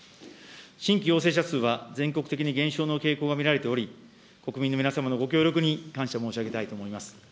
新規陽性者数は全国的に減少の傾向が見られており、国民の皆様のご協力に感謝申し上げたいと思います。